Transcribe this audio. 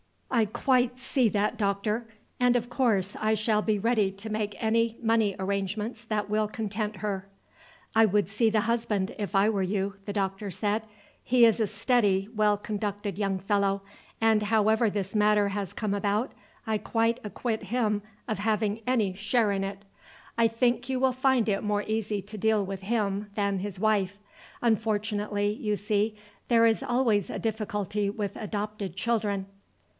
"I quite see that, doctor, and of course I shall be ready to make any money arrangements that will content her." "I would see the husband, if I were you," the doctor said. "He is a steady, well conducted young fellow, and however this matter has come about, I quite acquit him of having any share in it. I think you will find it more easy to deal with him than his wife. Unfortunately, you see, there is always a difficulty with adopted children.